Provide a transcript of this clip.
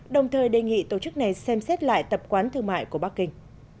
đồng thời đề nghị tổ chức này xem xét lại tập quán thương mại của bắc kinh